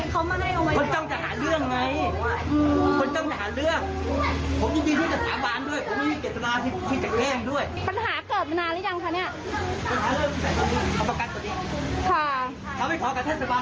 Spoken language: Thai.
เขาไปถอดกับแพทย์สาวาศักดิรักษ์แค่เอว